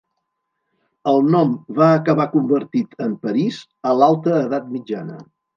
El nom va acabar convertit en París a l'alta edat mitjana.